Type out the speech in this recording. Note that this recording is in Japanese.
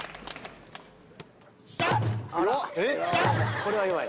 これは弱いな。